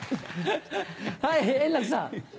はい円楽さん。